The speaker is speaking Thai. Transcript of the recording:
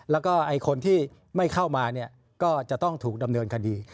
แล้วก็คนที่ไม่เข้ามาก็จะต้องถูกดำเนินคดี